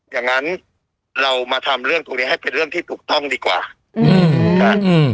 อย่างนั้นเรามาทำเรื่องตรงนี้ให้เป็นเรื่องที่ถูกต้องดีกว่าอืมนะ